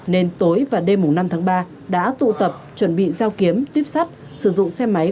nên tối và đêm năm tháng ba đã tụ tập chuẩn bị giao kiếm tuyếp sắt sử dụng xe máy